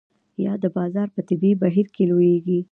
یا د بازار په طبیعي بهیر کې لویږي.